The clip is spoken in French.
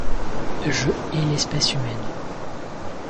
Je hais l'espèce humaine.